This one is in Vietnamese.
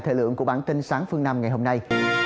thời lượng của bản tin sáng phương nam ngày hôm nay